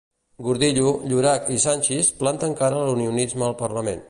Gordillo, Llorach i Sanchis planten cara a l'unionisme al parlament.